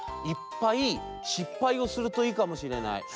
いっぱいしっぱいをするといいかもしれない。